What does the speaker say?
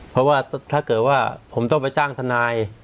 เพราะว่าถ้าเกิดว่าผมต้องไปจ้างทนาย